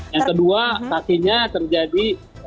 yang kedua kakinya terjadi